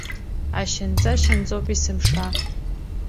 Ашьанҵа шьанҵоуп есымша!